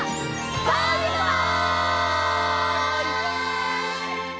バイバイ！